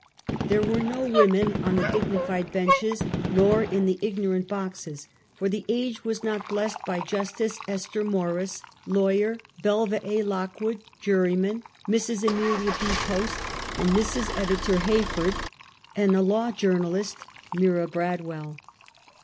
There were no women on the dignified benches nor in the ignorant boxes, for the age was not blessed by Justice Esther Morriss, Lawyer Belva A. Lockwood, Jurymen Mrs. Amelia B. Post and Mrs. Editor Hay ford, and a Law Journalist, Mira Bradwell.